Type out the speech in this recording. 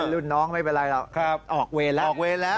รุ่นน้องไม่เป็นไรแล้วออกเวย์แล้ว